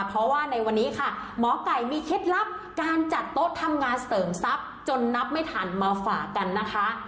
เพราะว่าในวันนี้ค่ะหมอไก่มีเคล็ดลับการจัดโต๊ะทำงานเสริมทรัพย์จนนับไม่ทันมาฝากกันนะคะ